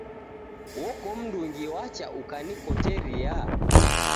Woko mndungi wacha ukanikoteria?